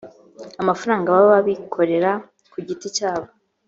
amafaranga baba bikorera ku giti cyabo